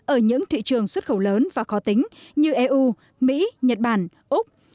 ở những thị trường xuất khẩu lớn và khó tính như eu mỹ nhật bản úc